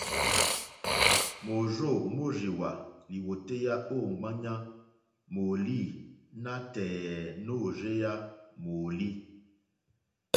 Môrzô mórzìwà lìwòtéyá ô ŋwáɲá mòòlî nátɛ̀ɛ̀ nôrzéyá mòòlí.